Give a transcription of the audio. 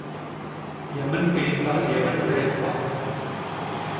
எமன் பிடித்தால் எவன் பிழைப்பான்?